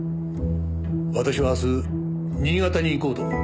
私は明日新潟に行こうと思う。